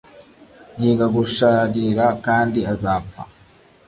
Yiga gusharira kandi azapfa